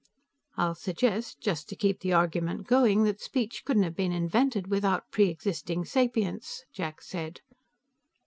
"I'll suggest, just to keep the argument going, that speech couldn't have been invented without pre existing sapience," Jack said.